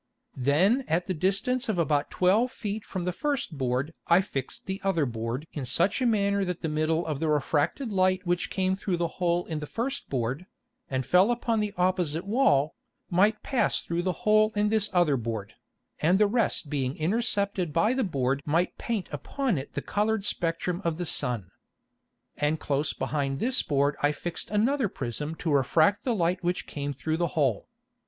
Then at the distance of about twelve Feet from the first Board I fixed the other Board in such manner that the middle of the refracted Light which came through the hole in the first Board, and fell upon the opposite Wall, might pass through the hole in this other Board, and the rest being intercepted by the Board might paint upon it the coloured Spectrum of the Sun. And close behind this Board I fixed another Prism to refract the Light which came through the hole.